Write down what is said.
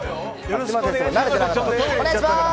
よろしくお願いします。